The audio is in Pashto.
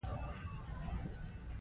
نیکه له حیا او پاکوالي خبرې کوي.